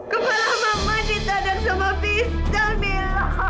kepala mama ditandang sama pisah milo